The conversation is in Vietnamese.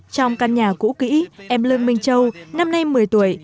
trong căn nhà cũ kỹ em lương minh châu năm nay một mươi tuổi